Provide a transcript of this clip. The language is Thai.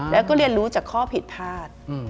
แล้วก็เรียนรู้จากข้อผิดพลาด